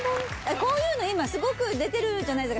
こういうの今すごく出てるじゃないですか